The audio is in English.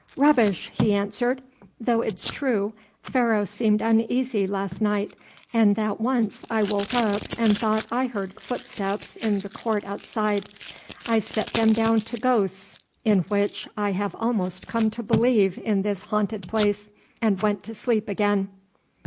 "Rubbish," he answered, "though it's true Pharaoh seemed uneasy last night, and that once I woke up and thought I heard footsteps in the court outside. I set them down to ghosts, in which I have almost come to believe in this haunted place, and went to sleep again."